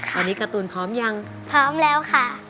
ตอนนี้การ์ตูนพร้อมยังพร้อมแล้วค่ะ